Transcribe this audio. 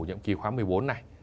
nhiệm kỳ khóa một mươi bốn này